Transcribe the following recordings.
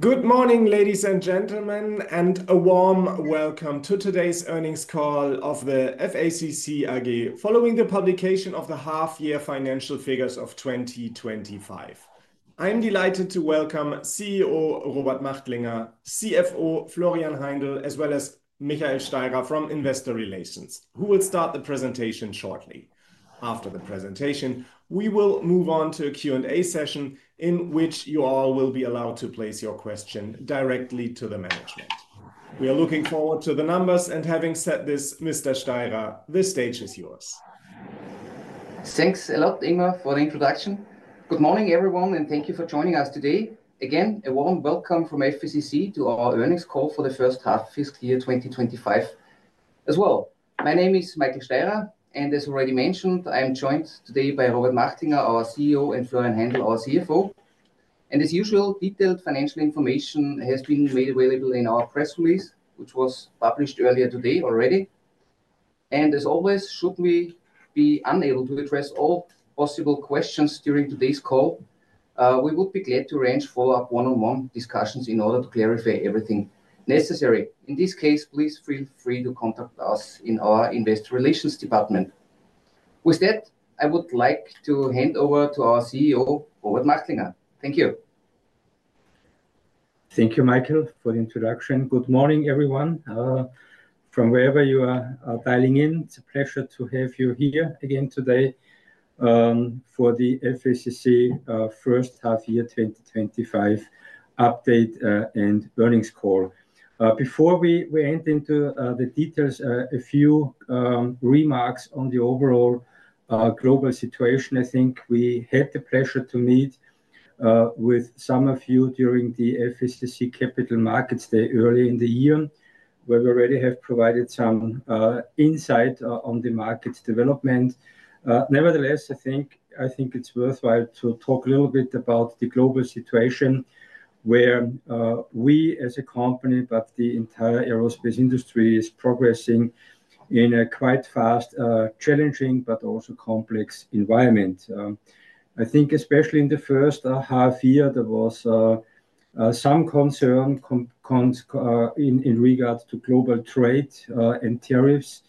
Good morning, ladies and gentlemen, and a warm welcome to today's earnings call of FACC AG following the publication of the half-year financial figures of 2025. I'm delighted to welcome CEO Robert Machtlinger, CFO Florian Heindl, as well as Michael Steirer from Investor Relations, who will start the presentation shortly. After the presentation, we will move on to a Q&A session in which you all will be allowed to place your question directly to the management. We are looking forward to the numbers, and having said this, Mr. Steirer, the stage is yours. Thanks a lot, Ingmar, for the introduction. Good morning, everyone, and thank you for joining us today. Again, a warm welcome from FACC to our earnings call for the first half, fiscal year 2025, as well. My name is Michael Steirer, and as already mentioned, I am joined today by Robert Machtlinger, our CEO, and Florian Heindl, our CFO. As usual, detailed financial information has been made available in our press release, which was published earlier today already. As always, should we be unable to address all possible questions during today's call, we would be glad to arrange follow-up one-on-one discussions in order to clarify everything necessary. In this case, please feel free to contact us in our investor relations department. With that, I would like to hand over to our CEO, Robert Machtlinger. Thank you. Thank you, Michael, for the introduction. Good morning, everyone. From wherever you are dialing in, it's a pleasure to have you here again today for the FACC First Half-Year 2025 Update and Earnings Call. Before we end into the details, a few remarks on the overall global situation. I think we had the pleasure to meet with some of you during the FACC Capital Markets Day earlier in the year, where we already have provided some insight on the market's development. Nevertheless, I think it's worthwhile to talk a little bit about the global situation, where we as a company, but the entire aerospace industry is progressing in a quite fast, challenging, but also complex environment. I think especially in the first half year, there was some concern in regards to global trade and tariffs.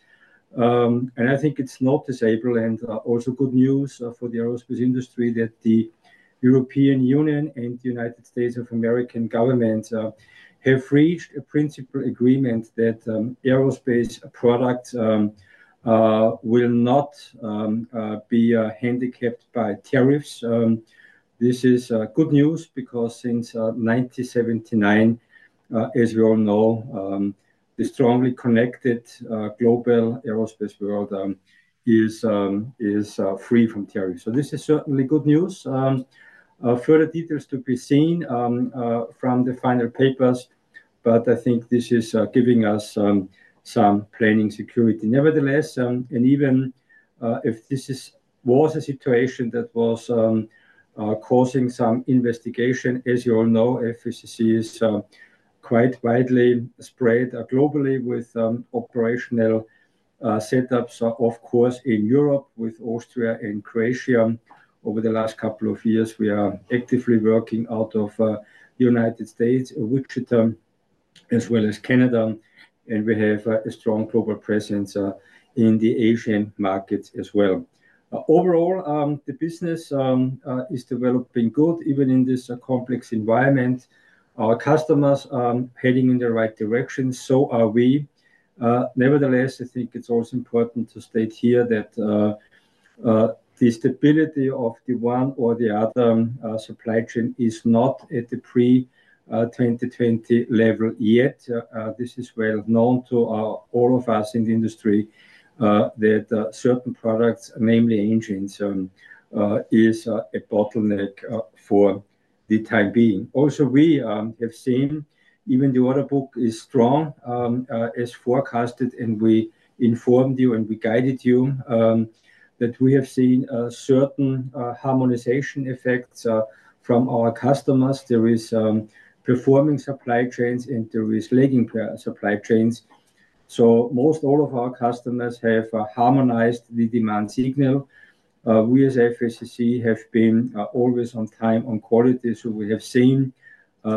I think it's not disabling, also good news for the aerospace industry, that the European Union and the United States of America governments have reached a principal agreement that aerospace products will not be handicapped by tariffs. This is good news because since 1979, as we all know, the strongly connected global aerospace world is free from tariffs. This is certainly good news. Further details to be seen from the final papers, but I think this is giving us some planning security. Nevertheless, even if this was a situation that was causing some investigation, as you all know, FACC is quite widely spread globally with operational setups, of course, in Europe with Austria and Croatia. Over the last couple of years, we are actively working out of the United States, in Wichita, as well as Canada, and we have a strong global presence in the Asian markets as well. Overall, the business is developing good, even in this complex environment. Our customers are heading in the right direction, so are we. Nevertheless, I think it's also important to state here that the stability of the one or the other supply chain is not at the pre-2020 level yet. This is well known to all of us in the industry that certain products, namely engines, are a bottleneck for the time being. Also, we have seen even the order book is strong as forecasted, and we informed you and we guided you that we have seen certain harmonization effects from our customers. There are performing supply chains and there are lagging supply chains. Most all of our customers have harmonized the demand signal. We as FACC have been always on time on quality, so we have seen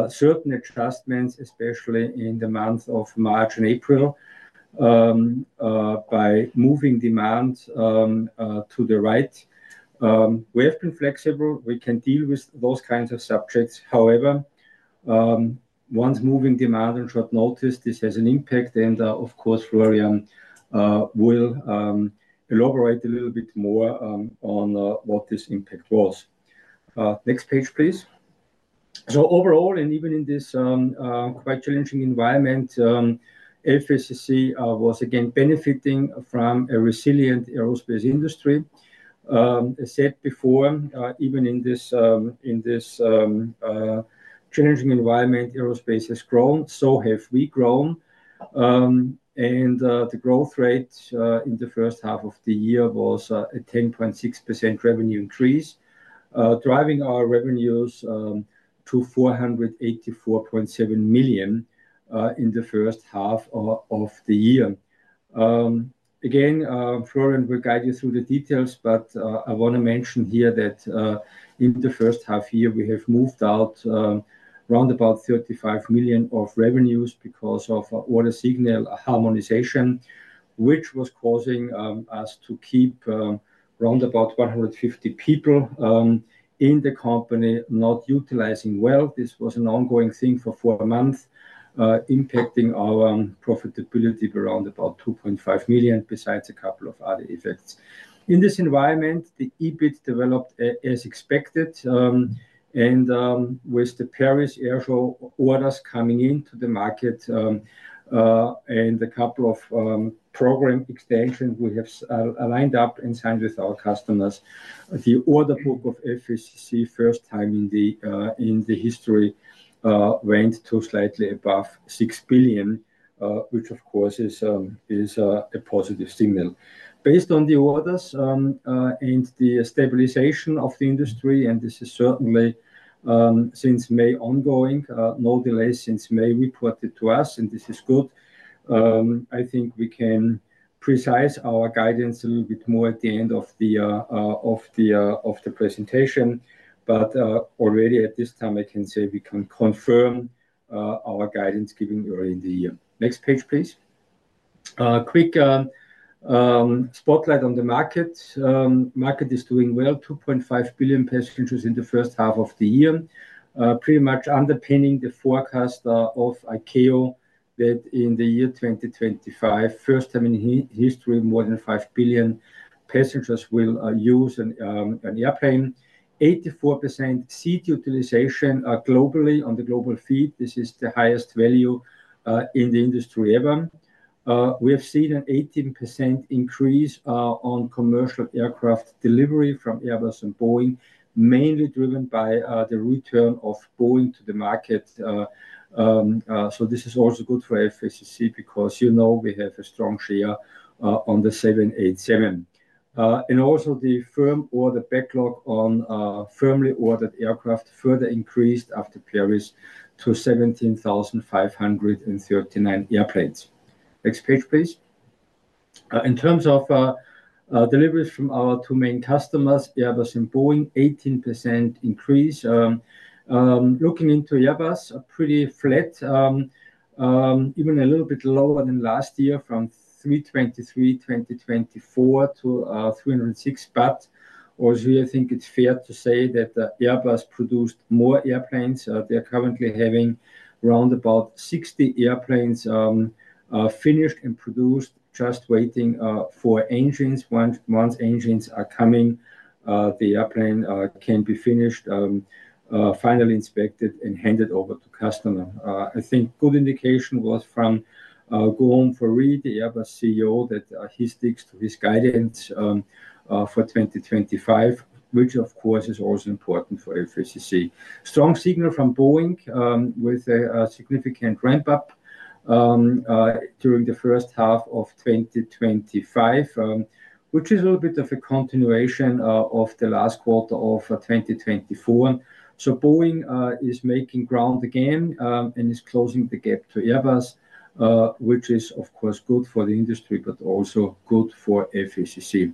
certain adjustments, especially in the month of March and April, by moving demand to the right. We have been flexible. We can deal with those kinds of subjects. However, once moving demand on short notice, this has an impact, and of course, Florian will elaborate a little bit more on what this impact was. Next page, please. Overall, and even in this quite challenging environment, FACC was again benefiting from a resilient aerospace industry. As I said before, even in this challenging environment, aerospace has grown, so have we grown. The growth rate in the first half of the year was a 10.6% revenue increase, driving our revenues to 484.7 million in the first half of the year. Florian will guide you through the details, but I want to mention here that in the first half year, we have moved out around about 35 million of revenues because of our order signal harmonization, which was causing us to keep around about 150 people in the company not utilizing well. This was an ongoing thing for four months, impacting our profitability of around about 2.5 million, besides a couple of other effects. In this environment, the EBIT developed as expected, and with the Paris Air Show orders coming into the market and a couple of program extensions we have lined up and signed with our customers, the order book of FACC, first time in the history, went to slightly above 6 billion, which of course is a positive signal. Based on the orders and the stabilization of the industry, and this is certainly since May ongoing, no delay since May reported to us, and this is good. I think we can precise our guidance a little bit more at the end of the presentation, but already at this time, I can say we can confirm our guidance given earlier in the year. Next page, please. Quick spotlight on the markets. The market is doing well. 2.5 billion passengers in the first half of the year, pretty much underpinning the forecast of ICAO that in the year 2025, first time in history, more than 5 billion passengers will use an airplane. 84% seat utilization globally on the global feed. This is the highest value in the industry ever. We have seen an 18% increase on commercial aircraft delivery from Airbus and Boeing, mainly driven by the return of Boeing to the market. This is also good for FACC because, you know, we have a strong player on the 787. The firm order backlog on firmly ordered aircraft further increased after Paris to 17,539 airplanes. Next page, please. In terms of deliveries from our two main customers, Airbus and Boeing, 18% increase. Looking into Airbus, pretty flat, even a little bit lower than last year from 323, 2024 to 306. I think it's fair to say that Airbus produced more airplanes. They're currently having around about 60 airplanes finished and produced, just waiting for engines. Once engines are coming, the airplane can be finished, finally inspected, and handed over to customer. I think a good indication was from Guillaume Faury, the Airbus CEO, that he sticks to his guidance for 2025, which of course is also important for FACC. Strong signal from Boeing with a significant ramp-up during the first half of 2025, which is a little bit of a continuation of the last quarter of 2024. Boeing is making ground again and is closing the gap to Airbus, which is of course good for the industry, but also good for FACC.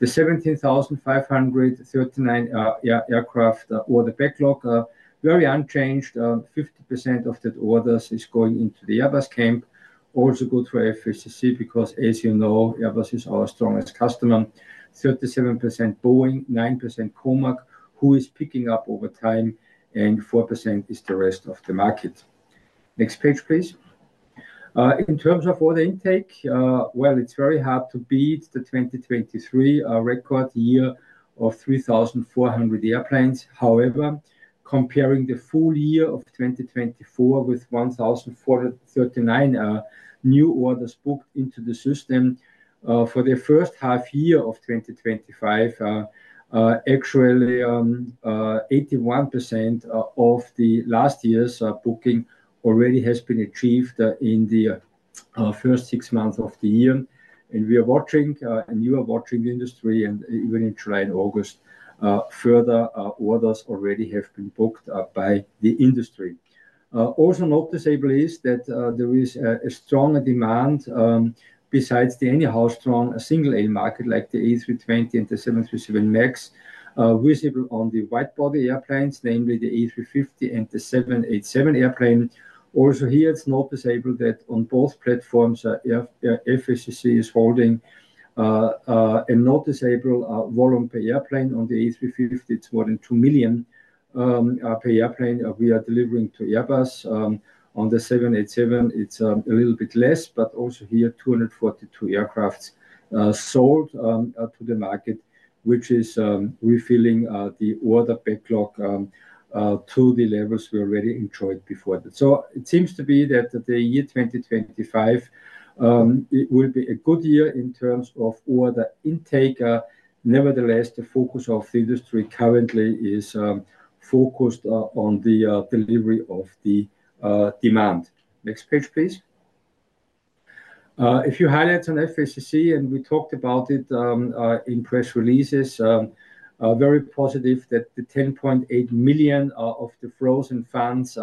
The 17,539 aircraft order backlog, very unchanged. 50% of the orders are going into the Airbus camp. Also good for FACC because, as you know, Airbus is our strongest customer. 37% Boeing, 9% Comac, who is picking up over time, and 4% is the rest of the market. Next page, please. In terms of order intake, it's very hard to beat the 2023 record year of 3,400 airplanes. However, comparing the full year of 2024 with 1,439 new orders booked into the system for the first half year of 2025, actually, 81% of the last year's booking already has been achieved in the first six months of the year. You are watching the industry, and even in July and August, further orders already have been booked by the industry. Also noticeably is that there is a stronger demand, besides the anyhow strong single-aisle market like the A320 and the 737 MAX, visible on the wide-body airplanes, namely the A350 and the 787 airplane. Also here, it's noticeable that on both platforms, FACC is holding a noticeable volume per airplane. On the A350, it's more than 2 million per airplane we are delivering to Airbus. On the 787, it's a little bit less, but also here, 242 aircraft sold to the market, which is refilling the order backlog to the levels we already enjoyed before that. It seems to be that the year 2025 will be a good year in terms of order intake. Nevertheless, the focus of the industry currently is focused on the delivery of the demand. Next page, please. A few highlights on FACC, and we talked about it in press releases. Very positive that the 10.8 million of the frozen funds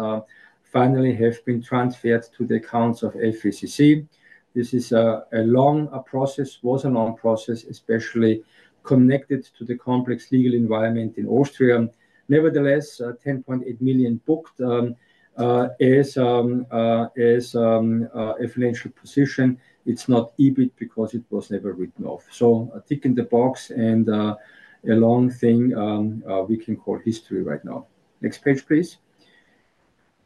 finally have been transferred to the accounts of FACC. This is a long process, was a long process, especially connected to the complex legal environment in Austria. Nevertheless, 10.8 million booked as a financial position. It's not EBIT because it was never written off. A tick in the box and a long thing we can call history right now. Next page, please.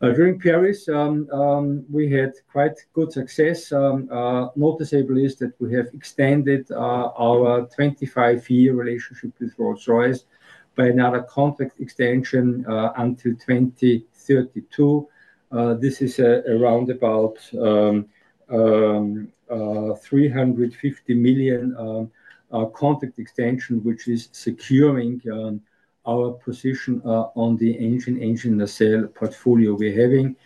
During Paris, we had quite good success. Noticeably is that we have extended our 25-year relationship with Rolls-Royce by another contract extension until 2032. This is around about 350 million contract extension, which is securing our position on the engine nacelle portfolio we're having.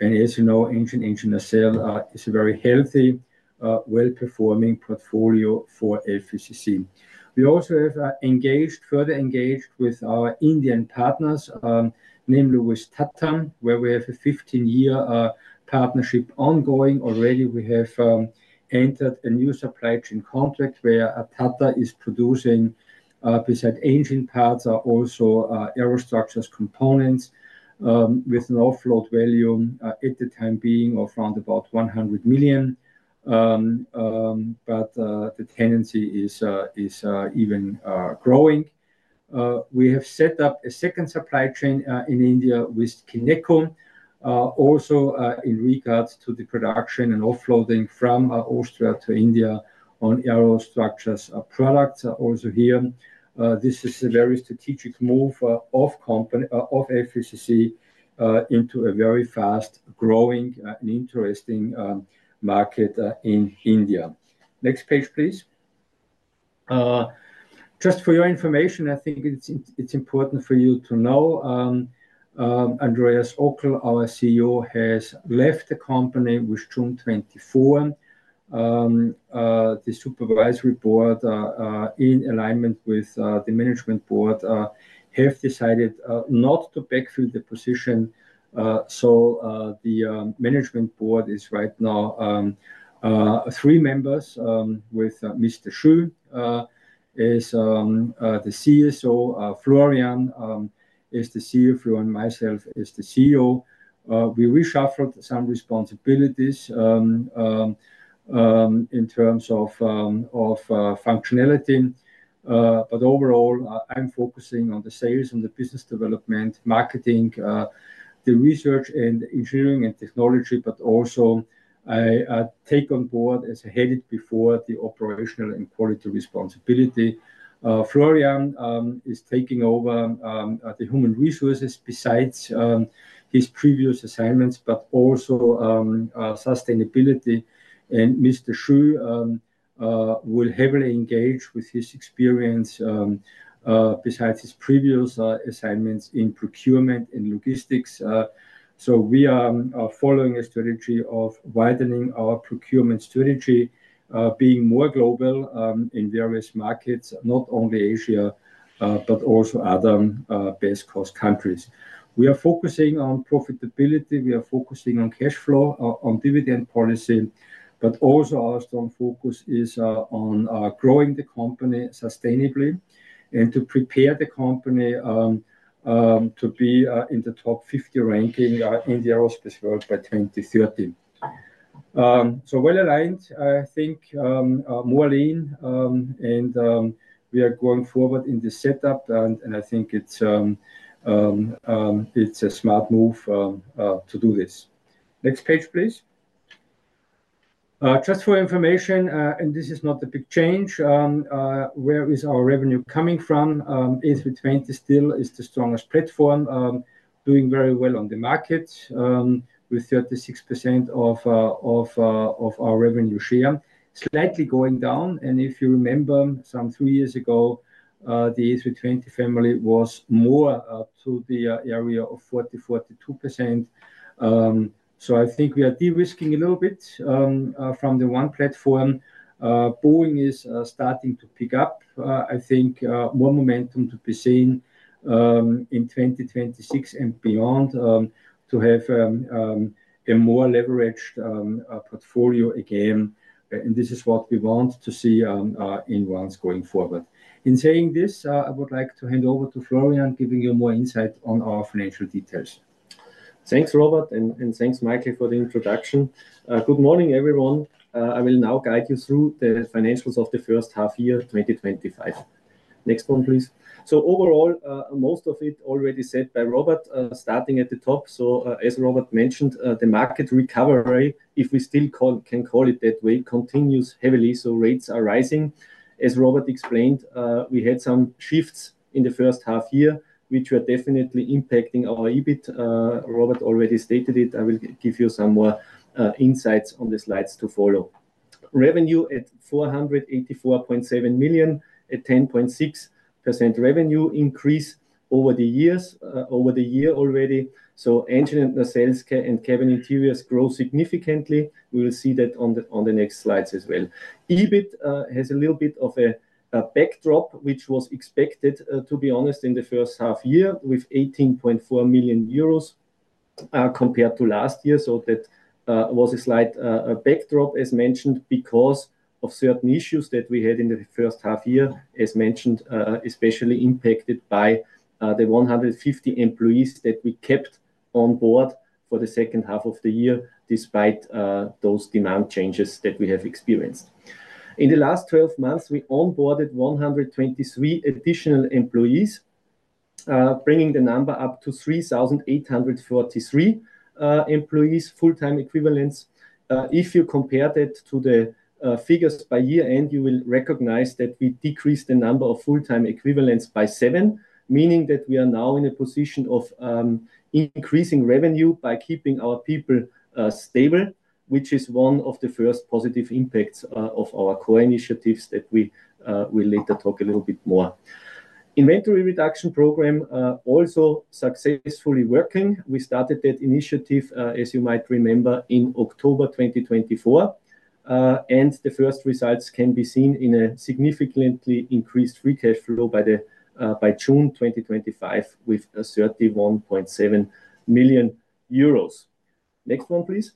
As you know, engine nacelle is a very healthy, well-performing portfolio for FACC. We also have further engaged with our Indian partners, namely with Tata, where we have a 15-year partnership ongoing. Already, we have entered a new supply chain contract where Tata is producing, besides engine parts, also aerostructures components with an offload value at the time being of around about 100 million. The tendency is even growing. We have set up a second supply chain in India with Kineco, also in regards to the production and offloading from Austria to India on aerostructures products. Also here, this is a very strategic move of FACC into a very fast growing and interesting market in India. Next page, please. Just for your information, I think it's important for you to know, Andreas Ockel, our CEO, has left the company with TRUMPF. The Supervisory Board, in alignment with the Management Board, has decided not to backfill the position. The Management Board is right now three members, with Mr. Xu as the CSO, Florian as the CFO, and myself as the CEO. We reshuffled some responsibilities in terms of functionality. Overall, I'm focusing on the sales, on the business development, marketing, the research and engineering and technology, but also I take on board, as I headed before, the operational and quality responsibility. Florian is taking over the human resources, besides his previous assignments, but also sustainability. Mr. Xu will heavily engage with his experience, besides his previous assignments in procurement and logistics. We are following a strategy of widening our procurement strategy, being more global in various markets, not only Asia, but also other best-cost countries. We are focusing on profitability. We are focusing on cash flow, on dividend policy, but also our strong focus is on growing the company sustainably and to prepare the company to be in the top 50 ranking in the aerospace world by 2030. We are well aligned, I think, more lean, and we are going forward in this setup, and I think it's a smart move to do this. Next page, please. Just for information, and this is not a big change, where is our revenue coming from? A320 still is the strongest platform, doing very well on the markets with 36% of our revenue share, slightly going down. If you remember, some three years ago, the A320 family was more to the area of 40%-42%. I think we are de-risking a little bit from the one platform. Boeing is starting to pick up. I think more momentum to be seen in 2026 and beyond to have a more leveraged portfolio again. This is what we want to see in ones going forward. In saying this, I would like to hand over to Florian, giving you more insight on our financial details. Thanks, Robert, and thanks, Michael, for the introduction. Good morning, everyone. I will now guide you through the financials of the first half of year 2025. Next one, please. Overall, most of it already said by Robert, starting at the top. As Robert mentioned, the market recovery, if we still can call it that way, continues heavily. Rates are rising. As Robert explained, we had some shifts in the first half year, which were definitely impacting our EBIT. Robert already stated it. I will give you some more insights on the slides to follow. Revenue at 484.7 million, a 10.6% revenue increase over the year already. Engine and nacelles and cabin interiors grow significantly. We will see that on the next slides as well. EBIT has a little bit of a backdrop, which was expected, to be honest, in the first half year with 18.4 million euros compared to last year. That was a slight backdrop, as mentioned, because of certain issues that we had in the first half year, as mentioned, especially impacted by the 150 employees that we kept on board for the second half of the year, despite those demand changes that we have experienced. In the last 12 months, we onboarded 123 additional employees, bringing the number up to 3,843 employees, full-time equivalents. If you compare that to the figures by year end, you will recognize that we decreased the number of full-time equivalents by seven, meaning that we are now in a position of increasing revenue by keeping our people stable, which is one of the first positive impacts of our core initiatives that we will later talk a little bit more. Inventory reduction program also successfully working. We started that initiative, as you might remember, in October 2024, and the first results can be seen in a significantly increased free cash flow by June 2025 with 31.7 million euros. Next one, please.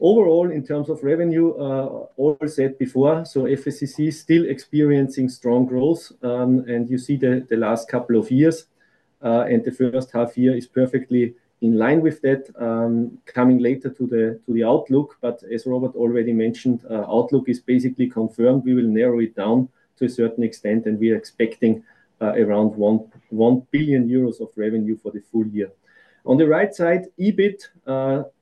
Overall, in terms of revenue, all said before, so FACC is still experiencing strong growth, and you see the last couple of years, and the first half year is perfectly in line with that, coming later to the outlook. As Robert already mentioned, outlook is basically confirmed. We will narrow it down to a certain extent, and we are expecting around 1 billion euros of revenue for the full year. On the right side, EBIT,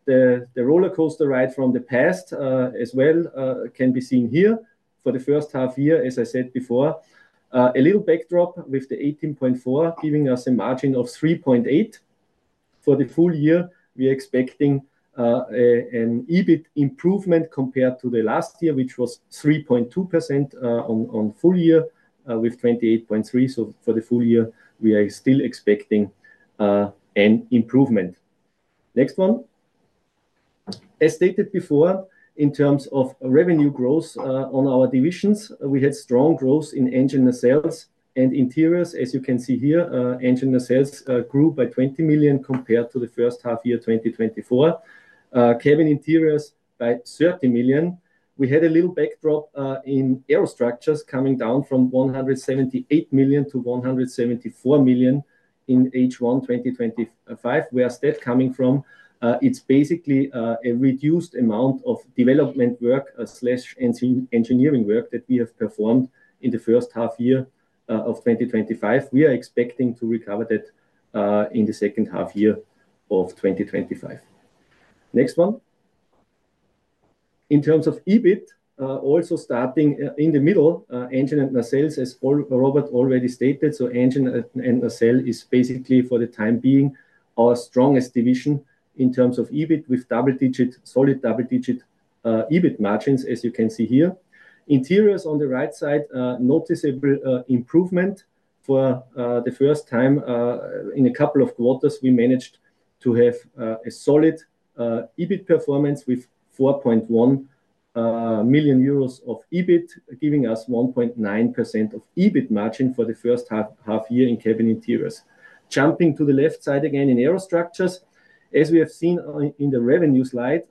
the roller coaster ride from the past as well, can be seen here for the first half year, as I said before. A little backdrop with the 18.4 million, giving us a margin of 3.8%. For the full year, we are expecting an EBIT improvement compared to the last year, which was 3.2% on full year, with 28.3 million. For the full year, we are still expecting an improvement. Next one. As stated before, in terms of revenue growth on our divisions, we had strong growth in engine nacelles and interiors. As you can see here, engine nacelles grew by 20 million compared to the first half year 2024. Cabin interiors by 30 million. We had a little backdrop in aerostructures coming down from 178 million to 174 million in H1 2025. Where's that coming from? It's basically a reduced amount of development work/engineering work that we have performed in the first half year of 2025. We are expecting to recover that in the second half year of 2025. Next one. In terms of EBIT, also starting in the middle, engine nacelles, as Robert already stated. Engine nacelles is basically, for the time being, our strongest division in terms of EBIT, with solid double-digit EBIT margins, as you can see here. Interiors on the right side, noticeable improvement. For the first time in a couple of quarters, we managed to have a solid EBIT performance with 4.1 million euros of EBIT, giving us 1.9% of EBIT margin for the first half year in cabin interiors. Jumping to the left side again in aero structures, as we have seen in the revenue slide,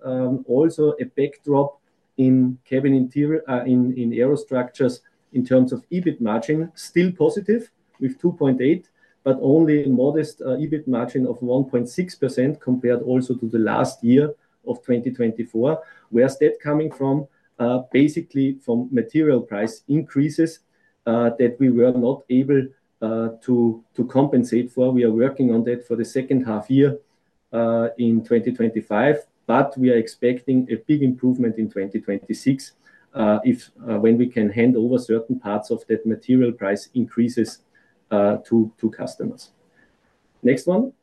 also a backdrop in cabin interior in aero structures in terms of EBIT margin, still positive with 2.8 million, but only a modest EBIT margin of 1.6% compared also to the last year of 2024. Where's that coming from? Basically from material price increases that we were not able to compensate for. We are working on that for the second half year in 2025, but we are expecting a big improvement in 2026 when we can hand over certain parts of that material price increases to customers. Next one.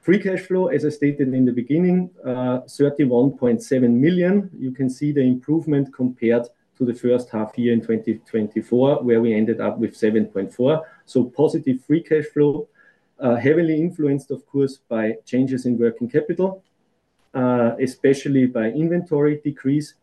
Free cash flow, as I stated in the beginning, 31.7 million. You can see the improvement compared to the first half year in 2024, where we ended up with 7.4 million. Positive free cash flow, heavily influenced, of course, by changes in working capital, especially by inventory decrease,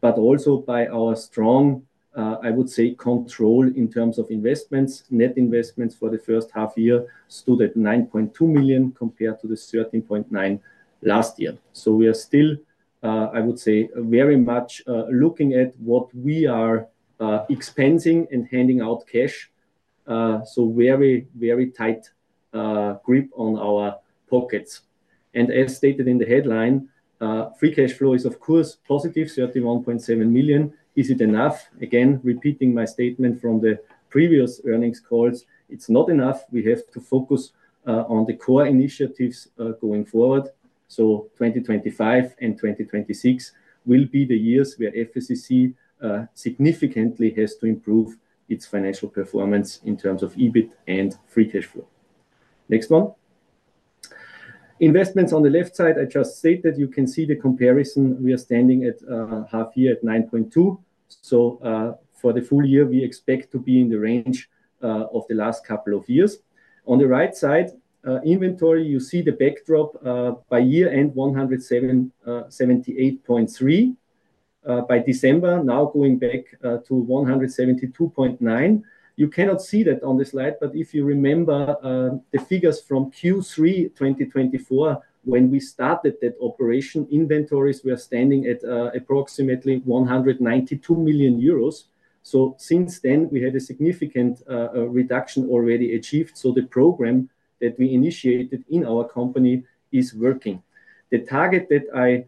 but also by our strong, I would say, control in terms of investments. Net investments for the first half year stood at 9.2 million compared to the 13.9 million last year. We are still, I would say, very much looking at what we are expensing and handing out cash. Very, very tight grip on our pockets. As stated in the headline, free cash flow is, of course, +31.7 million. Is it enough? Again, repeating my statement from the previous earnings calls, it's not enough. We have to focus on the core initiatives going forward. 2025 and 2026 will be the years where FACC AG significantly has to improve its financial performance in terms of EBIT and free cash flow. Next one. Investments on the left side, I just stated, you can see the comparison. We are standing at half year at 9.2 million. For the full year, we expect to be in the range of the last couple of years. On the right side, inventory, you see the backdrop by year end, 178.3 million. By December, now going back to 172.9 million. You cannot see that on the slide, but if you remember the figures from Q3 2024, when we started that operation, inventories, we are standing at approximately 192 million euros. Since then, we had a significant reduction already achieved. The program that we initiated in our company is working. The target that I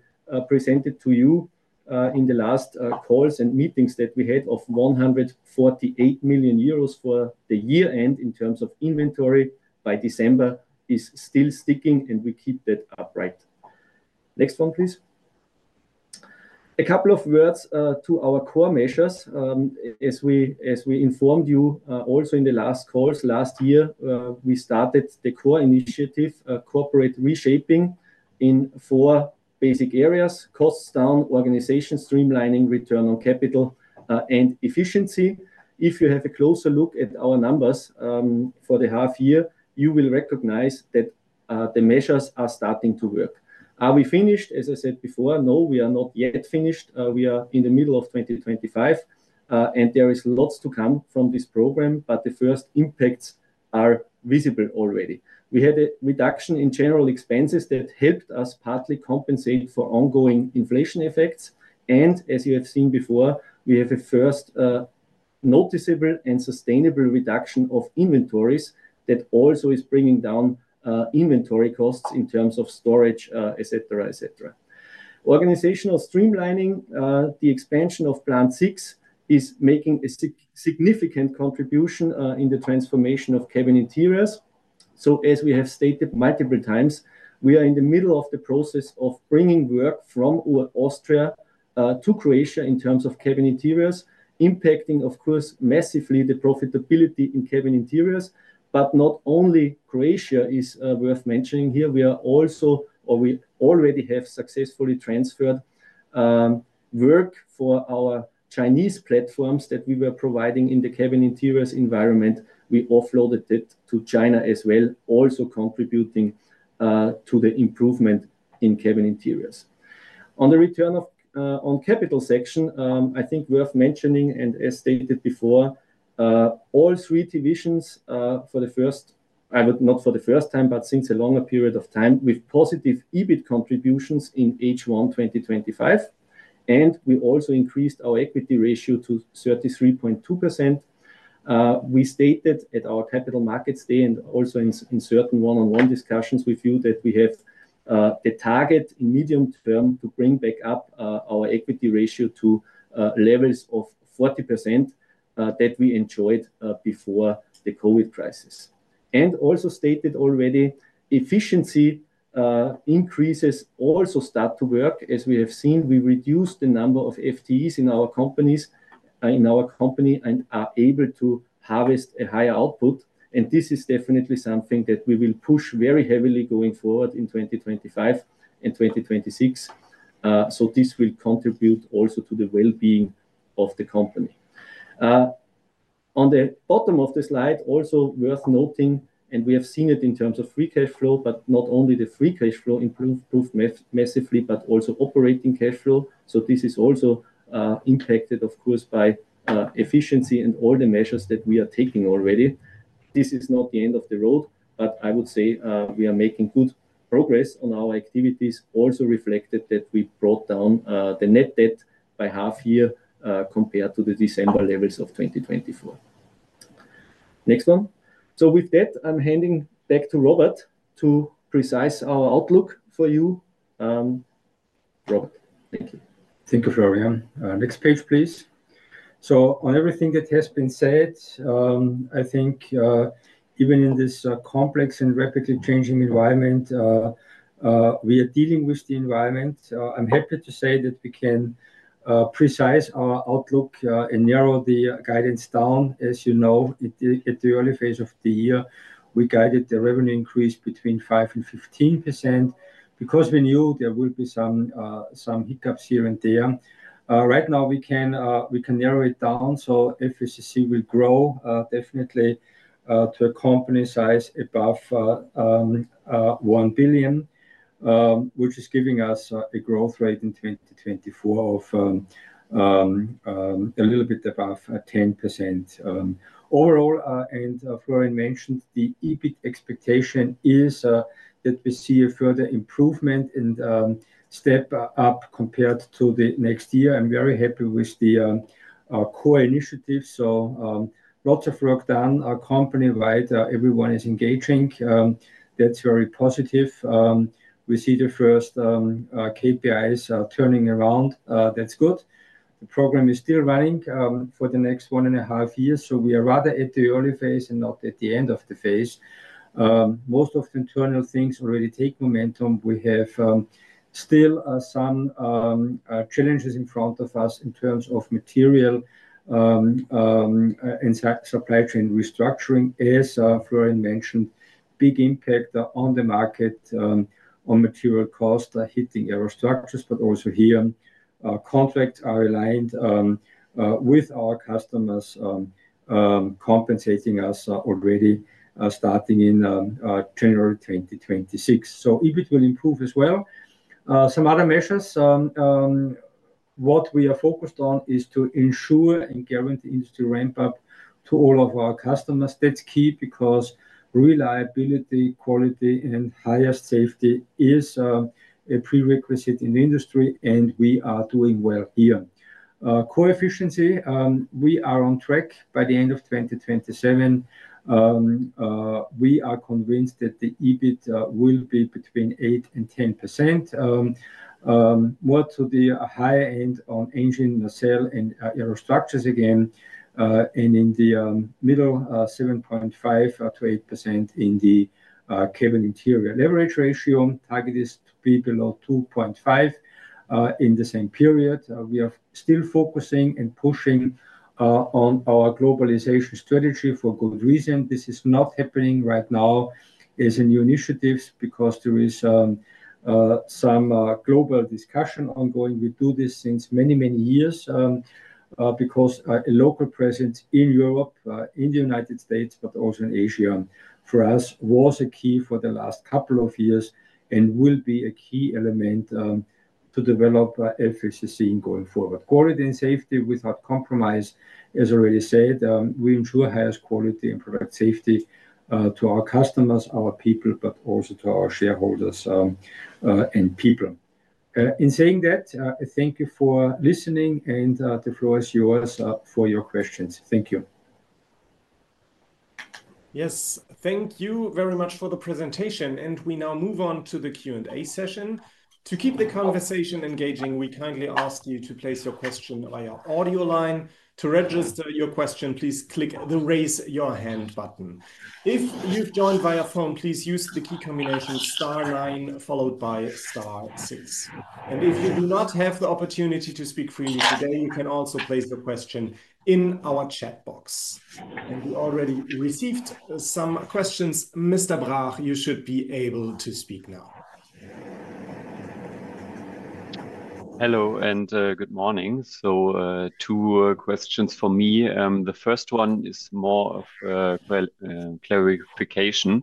presented to you in the last calls and meetings that we had of 148 million euros for the year end in terms of inventory by December is still sticking, and we keep that upright. Next one, please. A couple of words to our core measures. As we informed you also in the last calls last year, we started the core initiative, corporate reshaping, in four basic areas: costs down, organization streamlining, return on capital, and efficiency. If you have a closer look at our numbers for the half year, you will recognize that the measures are starting to work. Are we finished? As I said before, no, we are not yet finished. We are in the middle of 2025, and there is lots to come from this program, but the first impacts are visible already. We had a reduction in general expenses that helped us partly compensate for ongoing inflation effects. As you have seen before, we have a first noticeable and sustainable reduction of inventories that also is bringing down inventory costs in terms of storage, etc., etc. Organizational streamlining, the expansion of Plant 6, is making a significant contribution in the transformation of cabin interiors. As we have stated multiple times, we are in the middle of the process of bringing work from Austria to Croatia in terms of cabin interiors, impacting, of course, massively the profitability in cabin interiors. Not only Croatia is worth mentioning here, we are also, or we already have successfully transferred work for our Chinese platforms that we were providing in the cabin interiors environment. We offloaded that to China as well, also contributing to the improvement in cabin interiors. On the return on capital section, I think worth mentioning, and as stated before, all three divisions for the first, I would not for the first time, but since a longer period of time, with positive EBIT contributions in H1 2025. We also increased our equity ratio to 33.2%. We stated at our Capital Markets Day and also in certain one-on-one discussions with you that we have the target in medium term to bring back up our equity ratio to levels of 40% that we enjoyed before the COVID crisis. Also stated already, efficiency increases also start to work. As we have seen, we reduce the number of FTEs in our companies and are able to harvest a higher output. This is definitely something that we will push very heavily going forward in 2025 and 2026. This will contribute also to the well-being of the company. On the bottom of the slide, also worth noting, we have seen it in terms of free cash flow, but not only the free cash flow improved massively, but also operating cash flow. This is also impacted, of course, by efficiency and all the measures that we are taking already. This is not the end of the road, but I would say we are making good progress on our activities, also reflected that we brought down the net debt by half year compared to the December levels of 2024. With that, I'm handing back to Robert to precise our outlook for you. Robert, thank you. Thank you, Florian. Next page, please. On everything that has been said, I think even in this complex and rapidly changing environment, we are dealing with the environment. I'm happy to say that we can precise our outlook and narrow the guidance down. As you know, at the early phase of the year, we guided the revenue increase between 5% and 15% because we knew there will be some hiccups here and there. Right now, we can narrow it down. FACC will grow definitely to a company size above 1 billion, which is giving us a growth rate in 2024 of a little bit above 10%. Overall, and Florian mentioned, the EBIT expectation is that we see a further improvement and step up compared to the next year. I'm very happy with the core initiative. Lots of work done. Company wide, everyone is engaging. That's very positive. We see the first KPIs turning around. That's good. The program is still running for the next one and a half years. We are rather at the early phase and not at the end of the phase. Most of the internal things already take momentum. We have still some challenges in front of us in terms of material and supply chain restructuring. As Florian mentioned, big impact on the market on material costs are hitting aero structures, but also here, contracts are aligned with our customers, compensating us already starting in January 2026. EBIT will improve as well. Some other measures, what we are focused on is to ensure and guarantee to ramp up to all of our customers. That's key because reliability, quality, and higher safety is a prerequisite in the industry, and we are doing well here. Core efficiency, we are on track by the end of 2027. We are convinced that the EBIT will be between 8% and 10%. More to the higher end on engine nacelle and aero structures again, and in the middle, 7.5%-8% in the cabin interior leverage ratio. Target is to be below 2.5% in the same period. We are still focusing and pushing on our globalization strategy for good reason. This is not happening right now as a new initiative because there is some global discussion ongoing. We do this since many, many years because a local presence in Europe, in the United States, but also in Asia for us was a key for the last couple of years and will be a key element to develop FACC going forward. Quality and safety without compromise. As already said, we ensure highest quality and provide safety to our customers, our people, but also to our shareholders and people. In saying that, I thank you for listening, and the floor is yours for your questions. Thank you. Yes, thank you very much for the presentation, and we now move on to the Q&A session. To keep the conversation engaging, we kindly ask you to place your question via audio line. To register your question, please click the Raise Your Hand button. If you've joined via phone, please use the key combination star nine followed by star six. If you do not have the opportunity to speak freely, you can also place your question in our chat box. We already received some questions. Mr. Brach, you should be able to speak now. Hello, and good morning. Two questions for me. The first one is more of a clarification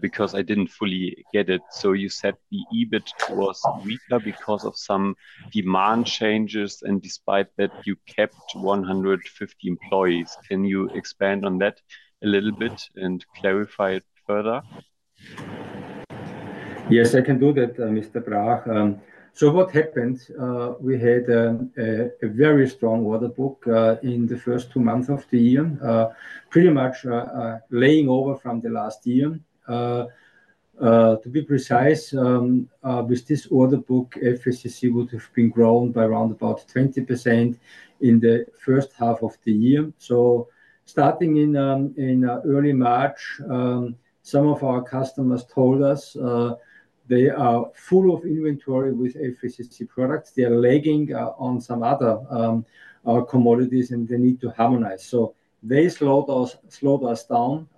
because I didn't fully get it. You said the EBIT was weaker because of some demand changes, and despite that, you kept 150 employees. Can you expand on that a little bit and clarify it further? Yes, I can do that, Mr. Brach. What happened is we had a very strong order book in the first two months of the year, pretty much laying over from last year. To be precise, with this order book, FACC would have grown by around 20% in the first half of the year. Starting in early March, some of our customers told us they are full of inventory with FACC products. They are lagging on some other commodities, and they need to harmonize. They slowed us down,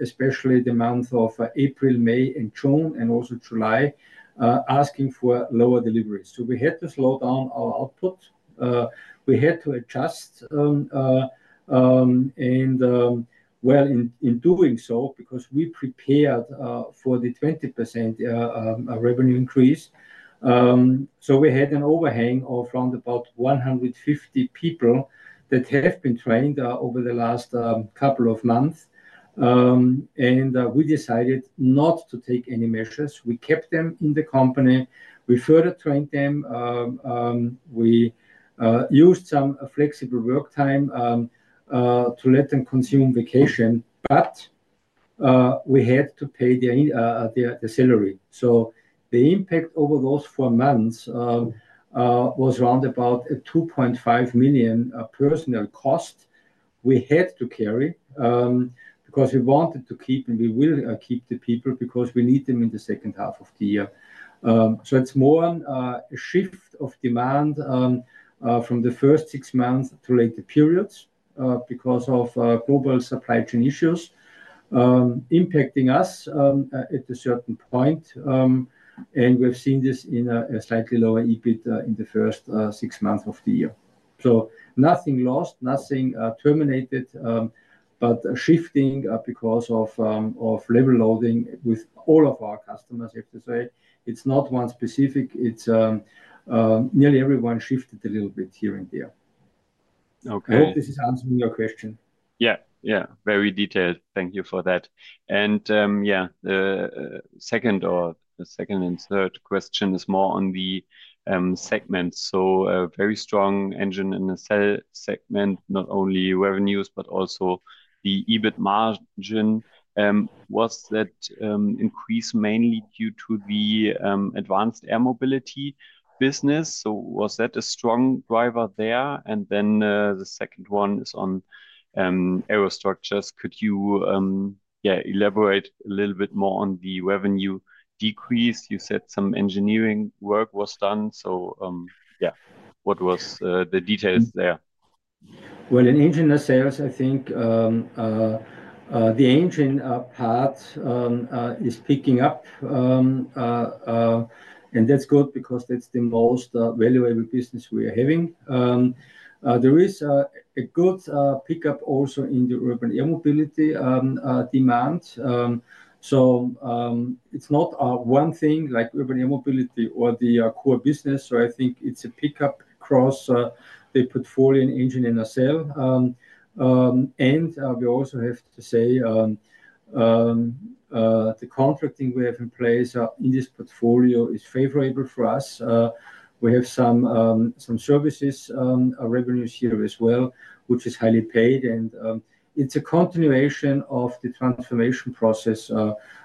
especially in the months of April, May, June, and also July, asking for lower deliveries. We had to slow down our output and adjust. Because we prepared for the 20% revenue increase, we had an overhang of around 150 people that have been trained over the last couple of months. We decided not to take any measures. We kept them in the company, we further trained them, and we used some flexible work time to let them consume vacation, but we had to pay their salary. The impact over those four months was around 2.5 million personnel costs we had to carry because we wanted to keep, and we will keep, the people because we need them in the second half of the year. It is more a shift of demand from the first six months to later periods because of global supply chain issues impacting us at a certain point. We have seen this in a slightly lower EBIT in the first six months of the year. Nothing lost, nothing terminated, just shifting because of level loading with all of our customers, I have to say. It is not one specific. Nearly everyone shifted a little bit here and there. Okay, this is answering your question. Yeah, very detailed. Thank you for that. The second and third question is more on the segments. A very strong engine nacelles segment, not only revenues, but also the EBIT margin. Was that increase mainly due to the advanced air mobility business? Was that a strong driver there? The second one is on aero structures. Could you elaborate a little bit more on the revenue decrease? You said some engineering work was done. What was the details there? In engine and nacelles, I think the engine part is picking up. That's good because that's the most valuable business we are having. There is a good pickup also in the urban air mobility demand. It's not one thing like urban air mobility or the core business. I think it's a pickup across the portfolio in engine and nacelles. We also have to say the contracting we have in place in this portfolio is favorable for us. We have some services revenues here as well, which is highly paid. It's a continuation of the transformation process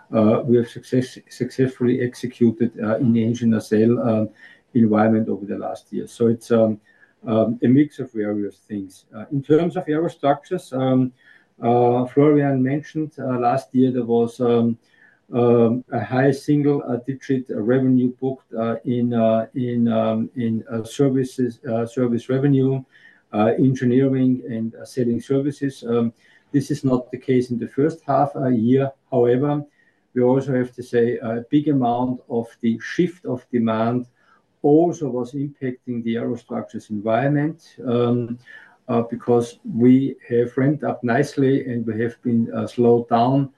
we have successfully executed in the engine and nacelle environment over the last year. It's a mix of various things. In terms of aero structures, Florian mentioned last year there was a high single-digit revenue booked in service revenue, engineering, and selling services. This is not the case in the first half of the year. However, we also have to say a big amount of the shift of demand also was impacting the aero structures environment because we have ramped up nicely and we have been slowed down.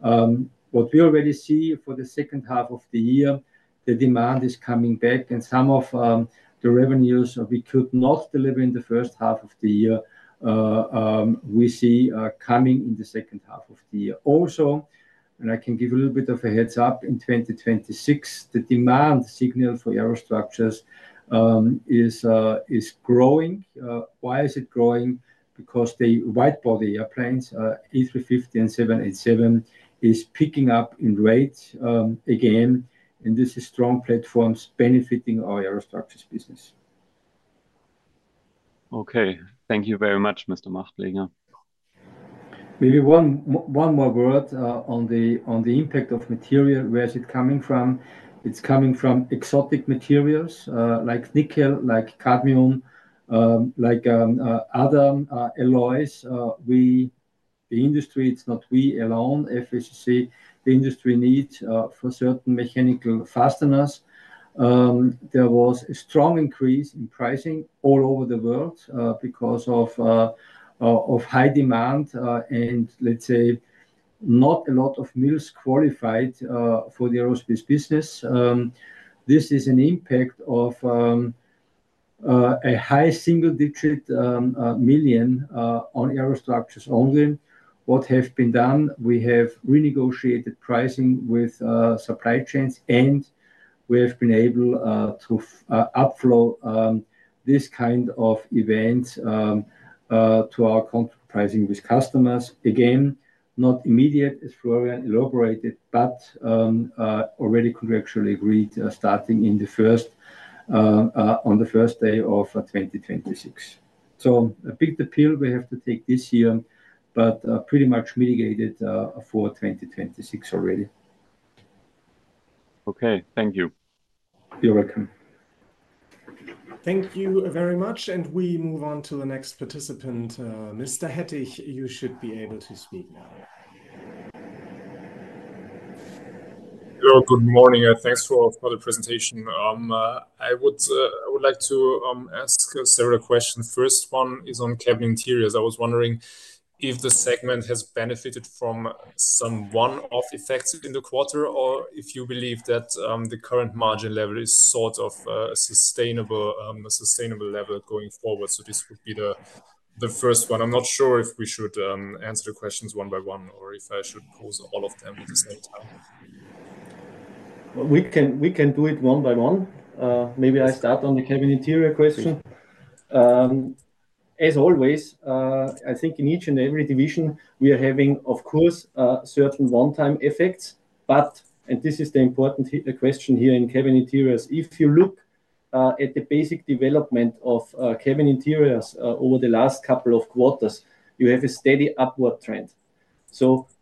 What we already see for the second half of the year, the demand is coming back and some of the revenues we could not deliver in the first half of the year, we see coming in the second half of the year. Also, I can give a little bit of a heads up, in 2026, the demand signal for aero structures is growing. Why is it growing? Because the wide-body airplanes, A350 and 787, are picking up in rates again. This is strong platforms benefiting our aero structures business. Okay, thank you very much, Mr. Machtlinger. Maybe one more word on the impact of material. Where is it coming from? It's coming from exotic materials like nickel, like cadmium, like other alloys. The industry, it's not we alone, FACC. The industry needs for certain mechanical fasteners. There was a strong increase in pricing all over the world because of high demand and, let's say, not a lot of mills qualified for the aerospace business. This is an impact of a high single-digit million on aero structures only. What has been done? We have renegotiated pricing with supply chains, and we have been able to upflow this kind of event to our contract pricing with customers. Not immediate, as Florian elaborated, but already contractually agreed starting on the first day of 2026. A big appeal we have to take this year, but pretty much mitigated for 2026 already. Okay, thank you. You're welcome. Thank you very much. We move on to the next participant, Mr. Hettich. You should be able to speak now. Good morning. Thanks for the presentation. I would like to ask several questions. The first one is on cabin interiors. I was wondering if the segment has benefited from some one-off effects in the quarter or if you believe that the current margin level is sort of a sustainable level going forward. This would be the first one. I'm not sure if we should answer the questions one by one or if I should pose all of them at the same time. We can do it one by one. Maybe I start on the cabin interior question. As always, I think in each and every division, we are having, of course, certain one-time effects. This is the important question here in cabin interiors. If you look at the basic development of cabin interiors over the last couple of quarters, you have a steady upward trend.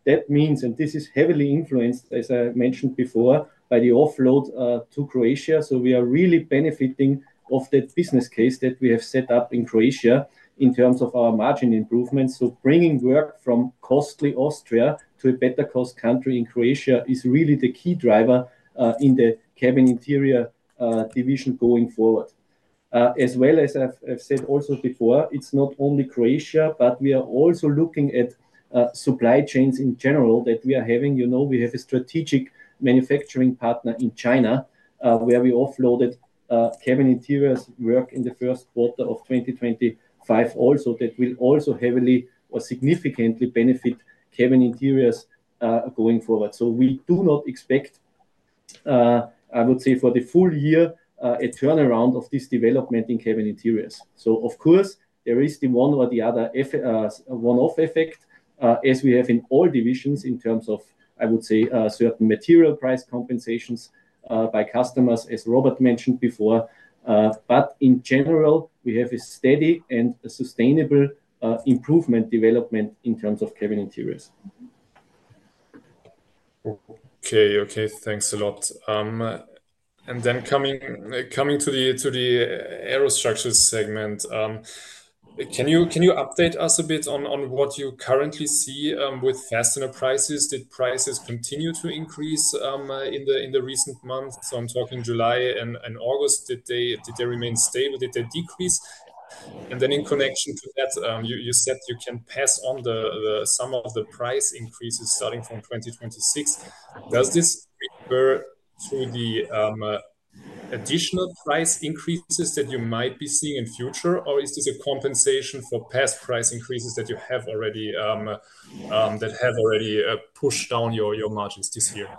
That means, and this is heavily influenced, as I mentioned before, by the offload to Croatia. We are really benefiting from that business case that we have set up in Croatia in terms of our margin improvements. Bringing work from costly Austria to a better cost country in Croatia is really the key driver in the cabin interior division going forward. As I have said also before, it's not only Croatia, but we are also looking at supply chains in general that we are having. We have a strategic manufacturing partner in China, where we offloaded cabin interiors work in the first quarter of 2025. That will also heavily or significantly benefit cabin interiors going forward. We do not expect, I would say, for the full year a turnaround of this development in cabin interiors. Of course, there is the one or the other one-off effect, as we have in all divisions in terms of, I would say, certain material price compensations by customers, as Robert mentioned before. In general, we have a steady and sustainable improvement development in terms of cabin interiors. Okay, thanks a lot. Coming to the aero structures segment, can you update us a bit on what you currently see with fastener prices? Did prices continue to increase in the recent months? I'm talking July and August. Did they remain stable? Did they decrease? In connection to that, you said you can pass on some of the price increases starting from 2026. Does this occur through the additional price increases that you might be seeing in the future, or is this a compensation for past price increases that have already pushed down your margins this year?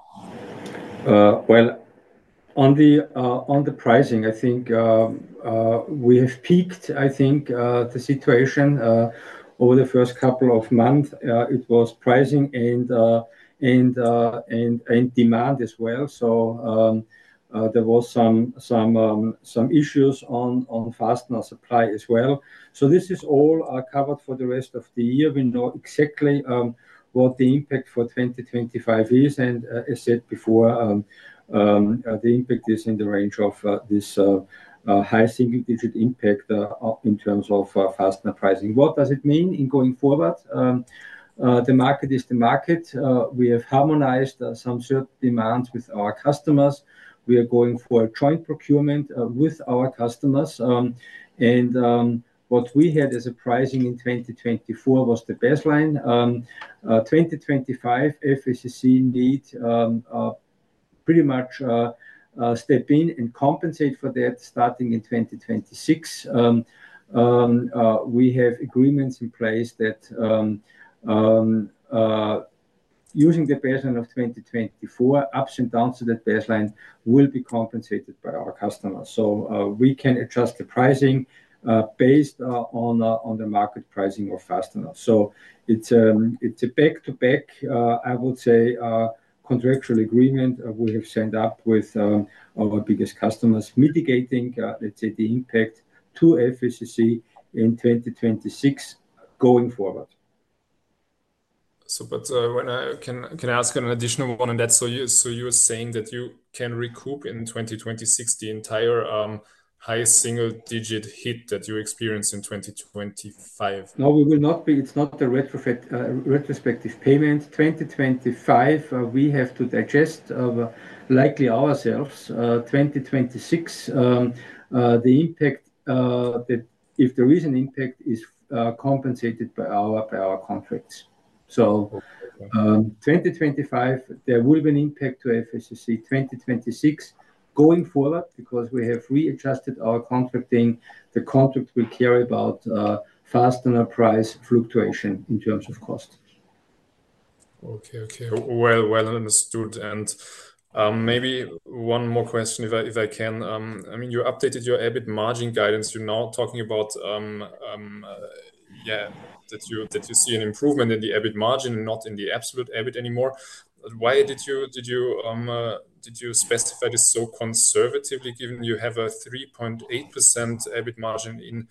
On the pricing, I think we have peaked. I think the situation over the first couple of months was pricing and demand as well. There were some issues on fastener supply as well. This is all covered for the rest of the year. We know exactly what the impact for 2025 is. As I said before, the impact is in the range of this high single-digit impact in terms of fastener pricing. What does it mean going forward? The market is the market. We have harmonized some certain demands with our customers. We are going for a joint procurement with our customers. What we had as a pricing in 2024 was the baseline. In 2025, FACC needs pretty much to step in and compensate for that starting in 2026. We have agreements in place that, using the baseline of 2024, ups and downs to that baseline will be compensated by our customers. We can adjust the pricing based on the market pricing of fasteners. It is a back-to-back, I would say, contractual agreement we have signed up with our biggest customers, mitigating, let's say, the impact to FACC in 2026 going forward. Can I ask an additional one on that? You're saying that you can recoup in 2026 the entire high single-digit hit that you experienced in 2025? No, we will not pay. It's not a retrospective payment. 2025, we have to digest likely ourselves. 2026, the impact, if there is an impact, is compensated by our contracts. 2025, there will be an impact to FACC. 2026, going forward, because we have readjusted our contracting, the contract will carry about fastener price fluctuation in terms of cost. Okay. Understood. Maybe one more question, if I can. I mean, you updated your EBIT margin guidance. You're now talking about, yeah, that you see an improvement in the EBIT margin, not in the absolute EBIT anymore. Why did you specify this so conservatively, given you have a 3.8% EBIT margin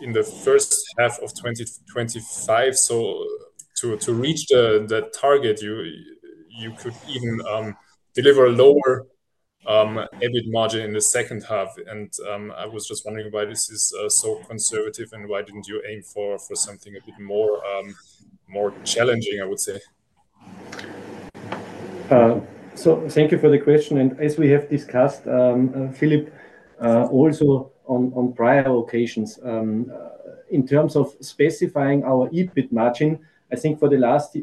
in the first half of 2025? To reach the target, you could even deliver a lower EBIT margin in the second half. I was just wondering why this is so conservative and why didn't you aim for something a bit more challenging, I would say. Thank you for the question. As we have discussed, Philippe, also on prior occasions, in terms of specifying our EBIT margin, I think for the last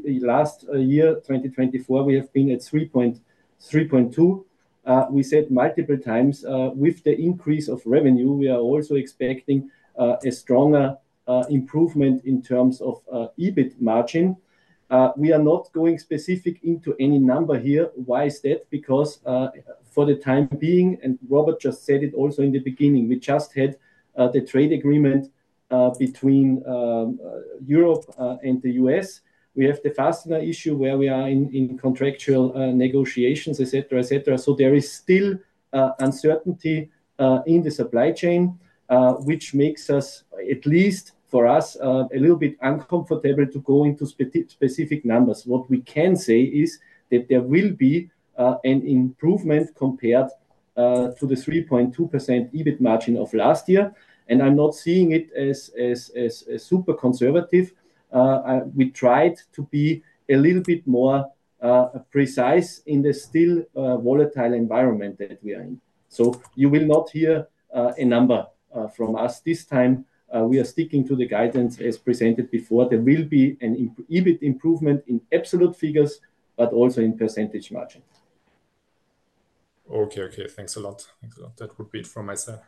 year, 2024, we have been at 3.2%. We said multiple times, with the increase of revenue, we are also expecting a stronger improvement in terms of EBIT margin. We are not going specific into any number here. Why is that? Because for the time being, and Robert just said it also in the beginning, we just had the trade agreement between Europe and the U.S. We have the fastener issue where we are in contractual negotiations, etc., etc. There is still uncertainty in the supply chain, which makes us, at least for us, a little bit uncomfortable to go into specific numbers. What we can say is that there will be an improvement compared to the 3.2% EBIT margin of last year. I'm not seeing it as super conservative. We tried to be a little bit more precise in the still volatile environment that we are in. You will not hear a number from us this time. We are sticking to the guidance as presented before. There will be an EBIT improvement in absolute figures, but also in percentage margin. Okay. Thanks a lot. That would be it from my side.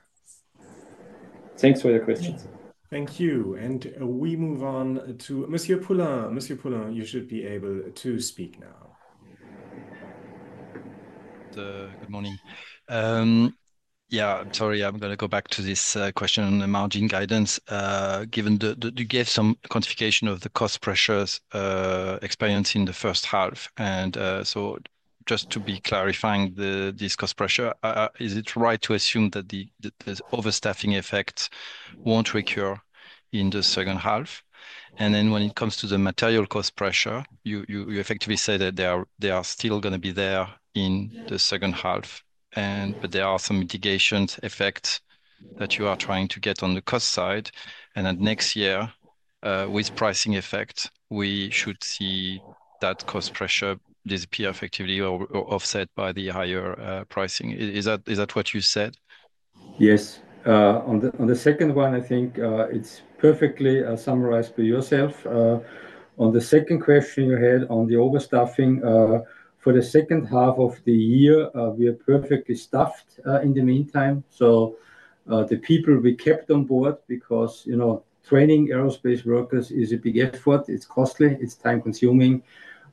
Thanks for your questions. Thank you. We move on to Monsieur Poulain. Monsieur Poulain, you should be able to speak now. Good morning. I'm sorry. I'm going to go back to this question on the margin guidance. Given that you gave some quantification of the cost pressures experienced in the first half, just to be clarifying this cost pressure, is it right to assume that the overstaffing effects won't recur in the second half? When it comes to the material cost pressure, you effectively say that they are still going to be there in the second half, but there are some mitigation effects that you are trying to get on the cost side. At next year, with pricing effects, we should see that cost pressure disappear effectively or offset by the higher pricing. Is that what you said? Yes. On the second one, I think it's perfectly summarized by yourself. On the second question you had on the overstaffing, for the second half of the year, we are perfectly staffed in the meantime. The people we kept on board because, you know, training aerospace workers is a big effort. It's costly. It's time-consuming.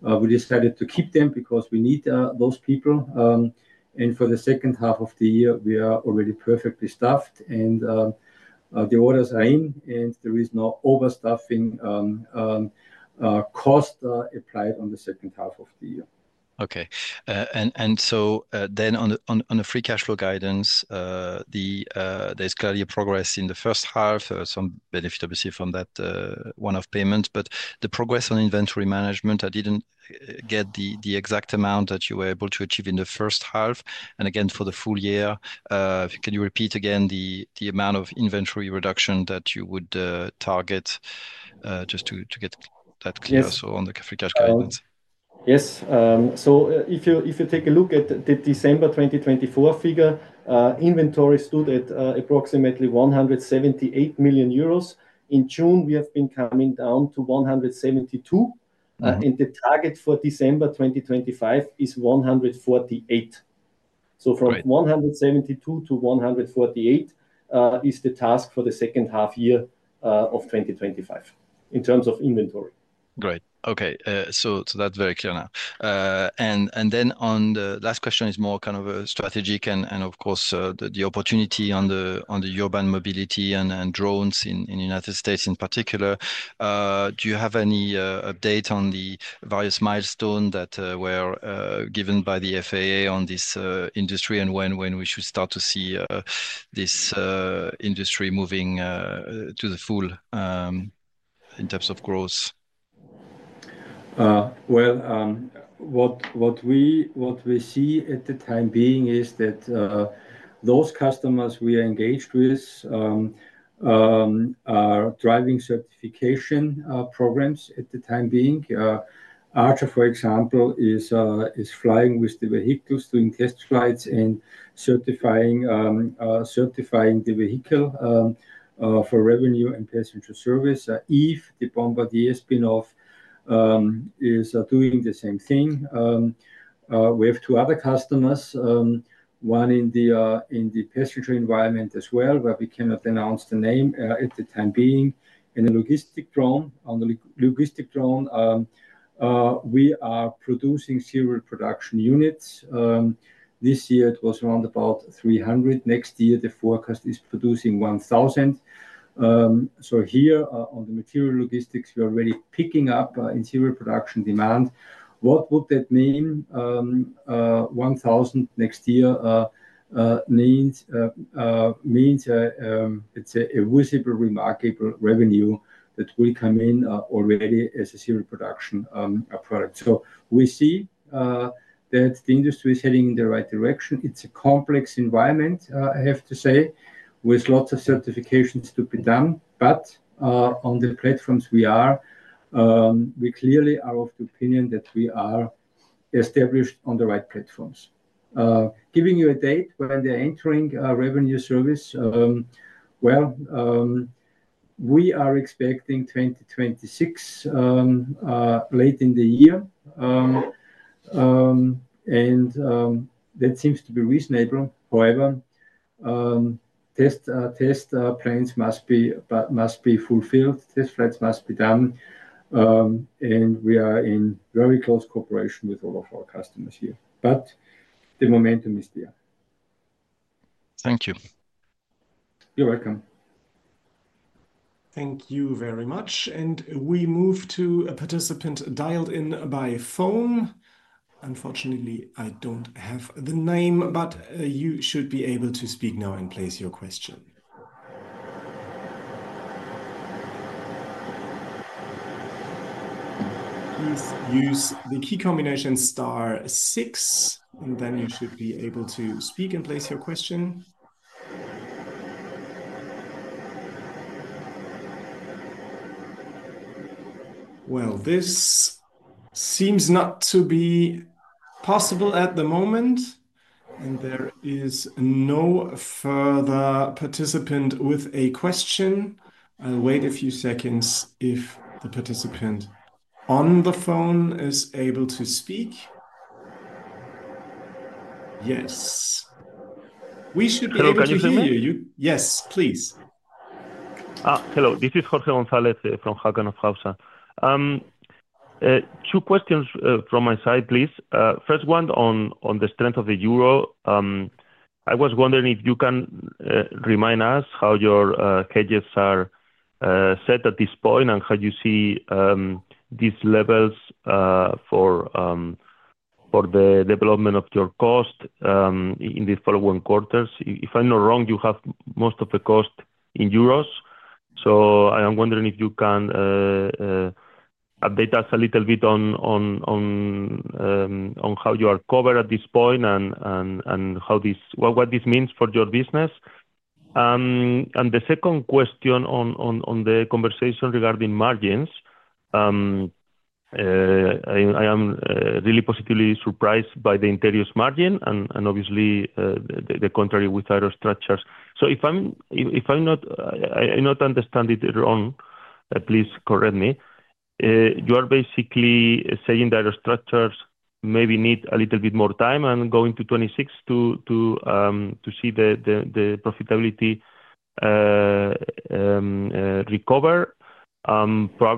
We decided to keep them because we need those people. For the second half of the year, we are already perfectly staffed and the orders are in, and there is no overstaffing cost applied on the second half of the year. Okay. On the free cash flow guidance, there's clearly a progress in the first half. There are some benefits obviously from that one-off payment, but the progress on inventory management, I didn't get the exact amount that you were able to achieve in the first half. For the full year, can you repeat again the amount of inventory reduction that you would target just to get that clear? On the free cash flow guidance. Yes. If you take a look at the December 2024 figure, inventory stood at approximately 178 million euros. In June, we have been coming down to 172 million, and the target for December 2025 is 148 million. From 172 million to 148 million is the task for the second half year of 2025 in terms of inventory. Great. Okay. That's very clear now. The last question is more kind of a strategic and, of course, the opportunity on the urban air mobility and drone programs in the United States in particular. Do you have any update on the various milestones that were given by the FAA on this industry and when we should start to see this industry moving to the full in terms of growth? At the time being, those customers we are engaged with are driving certification programs. Archer, for example, is flying with the vehicles, doing test flights, and certifying the vehicle for revenue and passenger service. EVE, the Bombardier spin-off, is doing the same thing. We have two other customers, one in the passenger environment as well, but we cannot announce the name at the time being. On the logistic drone, we are producing serial production units. This year, it was around 300. Next year, the forecast is producing 1,000. Here on the material logistics, we are already picking up in serial production demand. What would that mean? 1,000 next year means, let's say, a remarkable revenue that will come in already as a serial production product. We see that the industry is heading in the right direction. It's a complex environment, I have to say, with lots of certifications to be done. On the platforms we are, we clearly are of the opinion that we are established on the right platforms. Giving you a date when they're entering revenue service, we are expecting 2026 late in the year. That seems to be reasonable. However, test plans must be fulfilled. Test flights must be done. We are in very close cooperation with all of our customers here. The momentum is there. Thank you. You're welcome. Thank you very much. We move to a participant dialed in by phone. Unfortunately, I don't have the name, but you should be able to speak now and place your question. Please use the key combination star six, and then you should be able to speak and place your question. This seems not to be possible at the moment, and there is no further participant with a question. I'll wait a few seconds if the participant on the phone is able to speak. Yes. We should be able to hear you. Yes, please. Hello. This is Jorge González from Hauck & Aufhäuser. Two questions from my side, please. First one on the strength of the euro. I was wondering if you can remind us how your hedges are set at this point and how you see these levels for the development of your cost in the following quarters. If I'm not wrong, you have most of the cost in euros. I'm wondering if you can update us a little bit on how you are covered at this point and what this means for your business. The second question on the conversation regarding margins, I am really positively surprised by the interiors margin and obviously the contrary with aero structures. If I'm not understanding it wrong, please correct me. You are basically saying that aero structures maybe need a little bit more time and going to 2026 to see the profitability recover,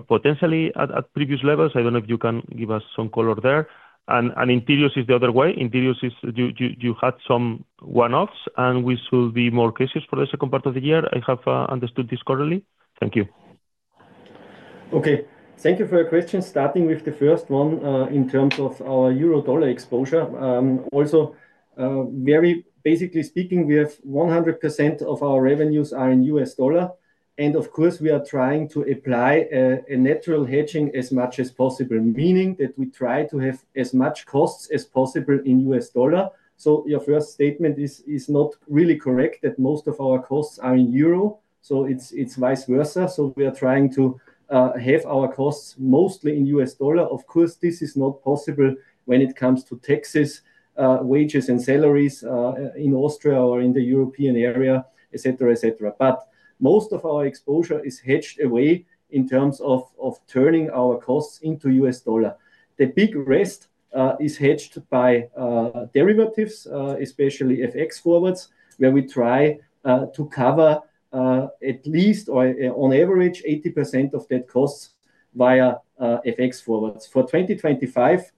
potentially at previous levels. I don't know if you can give us some color there. Interiors is the other way. Interiors, you had some one-offs and we saw more cases for the second part of the year. I have understood this correctly. Thank you. Okay. Thank you for your question. Starting with the first one in terms of our euro-dollar exposure. Very basically speaking, we have 100% of our revenues in U.S. dollar. Of course, we are trying to apply a natural hedging as much as possible, meaning that we try to have as much costs as possible in U.S. dollar. Your first statement is not really correct that most of our costs are in euro. It is vice versa. We are trying to have our costs mostly in U.S. dollar. Of course, this is not possible when it comes to taxes, wages, and salaries in Austria or in the European area, etc., etc. Most of our exposure is hedged away in terms of turning our costs into U.S. dollar. The big rest is hedged by derivatives, especially FX forwards, where we try to cover at least, or on average, 80% of that cost via FX forwards. For 2025,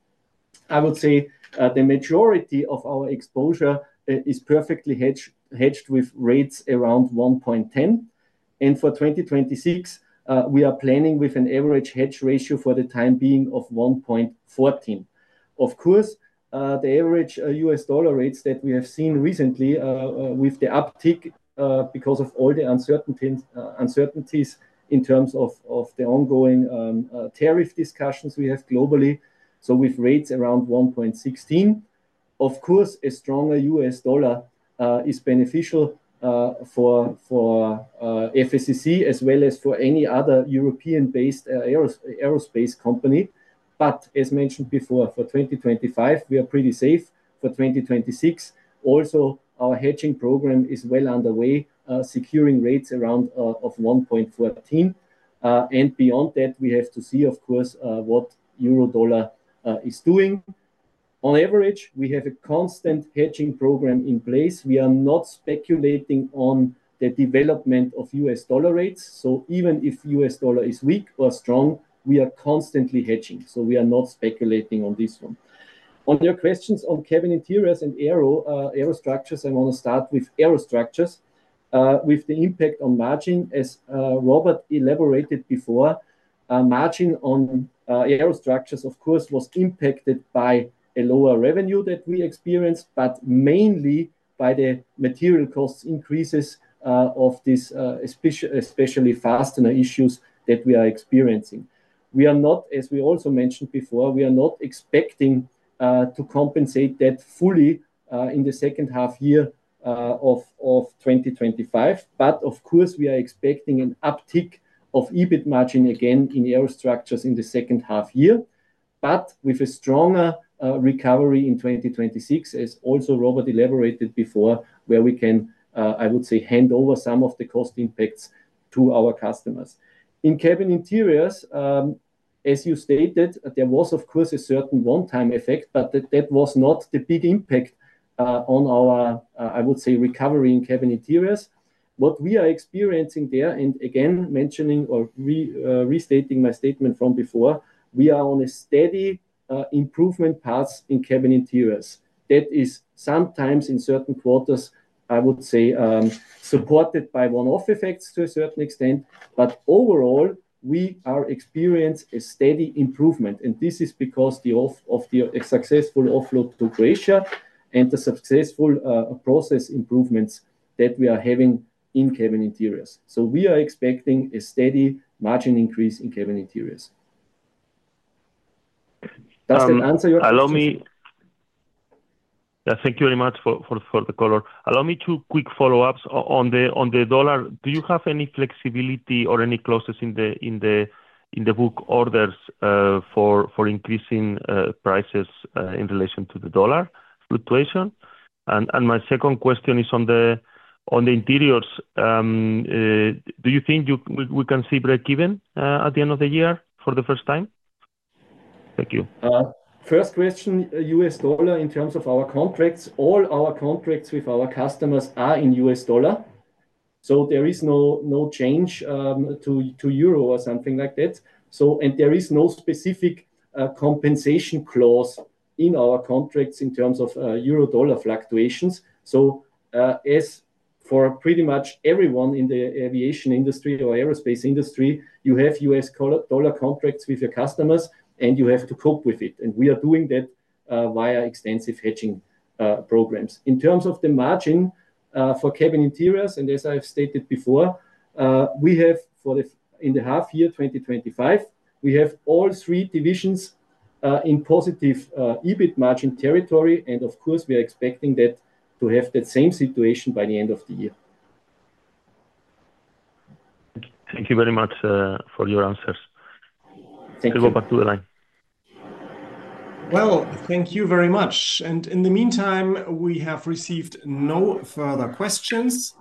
I would say the majority of our exposure is perfectly hedged with rates around 1.10. For 2026, we are planning with an average hedge ratio for the time being of 1.14. The average U.S. dollar rates that we have seen recently with the uptick because of all the uncertainties in terms of the ongoing tariff discussions we have globally. With rates around 1.16, a stronger U.S. dollar is beneficial for FACC as well as for any other European-based aerospace company. As mentioned before, for 2025, we are pretty safe. For 2026, also, our hedging program is well underway, securing rates around 1.14. Beyond that, we have to see what euro-dollar is doing. On average, we have a constant hedging program in place. We are not speculating on the development of U.S. dollar rates. Even if U.S. dollar is weak or strong, we are constantly hedging. We are not speculating on this one. On your questions on cabin interiors and aero structures, I want to start with aero structures. With the impact on margin, as Robert elaborated before, margin on aero structures was impacted by a lower revenue that we experienced, but mainly by the material cost increases of this, especially fastener issues that we are experiencing. We are not, as we also mentioned before, expecting to compensate that fully in the second half year of 2025. We are expecting an uptick of EBIT margin again in aero structures in the second half year, with a stronger recovery in 2026, as also Robert elaborated before, where we can, I would say, hand over some of the cost impacts to our customers. In cabin interiors, as you stated, there was, of course, a certain one-time effect, but that was not the big impact on our, I would say, recovery in cabin interiors. What we are experiencing there, and again mentioning or restating my statement from before, we are on a steady improvement path in cabin interiors. That is sometimes in certain quarters, I would say, supported by one-off effects to a certain extent. Overall, we are experiencing a steady improvement. This is because of the successful offload to Croatia and the successful process improvements that we are having in cabin interiors. We are expecting a steady margin increase in cabin interiors. Thank you very much for the color. Allow me two quick follow-ups on the dollar. Do you have any flexibility or any clauses in the book orders for increasing prices in relation to the dollar fluctuation? My second question is on the interiors. Do you think we can see break even at the end of the year for the first time? Thank you. First question, U.S. dollar in terms of our contracts. All our contracts with our customers are in U.S. dollar. There is no change to euro or something like that, and there is no specific compensation clause in our contracts in terms of euro-dollar fluctuations. As for pretty much everyone in the aviation industry or aerospace industry, you have U.S. dollar contracts with your customers and you have to cope with it. We are doing that via extensive hedging programs. In terms of the margin for cabin interiors, and as I've stated before, we have in the half year 2025, we have all three divisions in positive EBIT margin territory. Of course, we are expecting that to have that same situation by the end of the year. Thank you very much for your answers. Thank you. I will go back to the line. Thank you very much. In the meantime, we have received no further questions.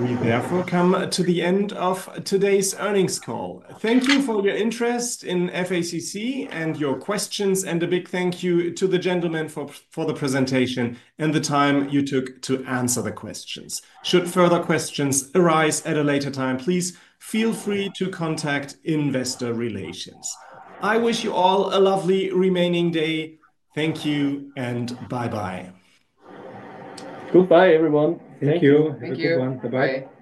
We therefore come to the end of today's earnings call. Thank you for your interest in FACC and your questions. A big thank you to the gentlemen for the presentation and the time you took to answer the questions. Should further questions arise at a later time, please feel free to contact investor relations. I wish you all a lovely remaining day. Thank you and bye-bye. Goodbye, everyone. Thank you. Thank you, everyone. Bye-bye. Bye.